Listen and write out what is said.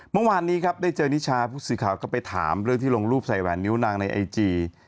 เมื่อวานนี้ครับได้เจอนิชาผู้สื่อข่าวก็ไปถามเรื่องที่ลงรูปใส่แหวนนิ้วนางในไอจี